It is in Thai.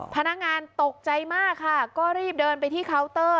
พนักงานตกใจมากค่ะก็รีบเดินไปที่เคาน์เตอร์